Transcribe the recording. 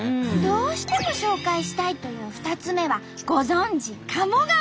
どうしても紹介したいという２つ目はご存じ鴨川！